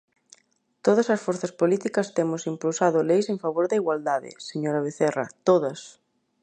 Todas as forzas políticas temos impulsado leis en favor da igualdade, señora Vecerra, ¡todas!